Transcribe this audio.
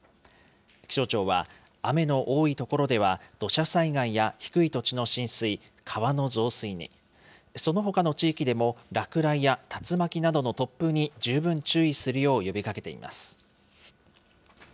気象庁は、雨の多い所では土砂災害や低い土地の浸水、川の増水に、そのほかの地域でも落雷や竜巻などの突風に十分注意するよう呼びかけています。